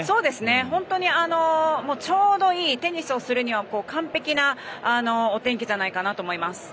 本当にちょうどいいテニスをするには完璧なお天気じゃないかなと思います。